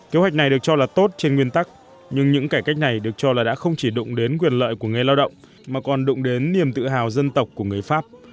kế hoạch này được cho là tốt trên nguyên tắc nhưng những cải cách này được cho là đã không chỉ đụng đến quyền lợi của người lao động mà còn đụng đến niềm tự hào dân tộc của người pháp